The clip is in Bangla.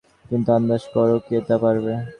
কিন্তু আন্দাজ করো কে তা পারবে?